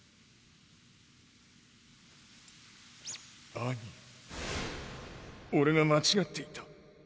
アニ俺が間違っていた。